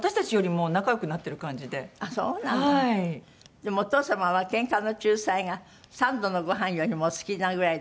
でもお父様はケンカの仲裁が３度のご飯よりもお好きなぐらいですって？